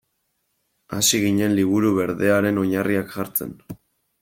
Hasi ginen Liburu Berdearen oinarriak jartzen.